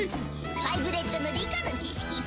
ファイブレッドの理科の知識チュン。